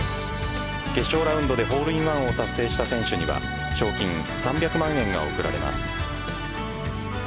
決勝ラウンドでホールインワンを達成した選手には賞金３００万円が贈られます。